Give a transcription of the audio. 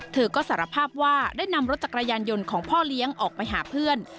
เธอก็สารภาพว่าได้นำรถจักรยานยนต์ของพ่อเลี้ยงออกไปหาเพื่อน